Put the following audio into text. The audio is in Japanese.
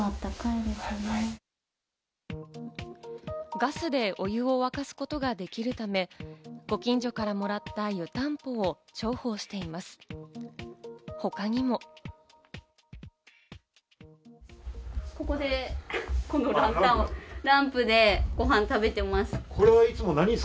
ガスでお湯を沸かすことができるため、ご近所からもらった湯たんぽを重宝しています。